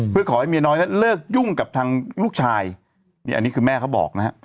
เพื่อขอให้เมียน้อยนั้นเลิกยุ่งกับทางลูกชายนี่อันนี้คือแม่เขาบอกนะฮะ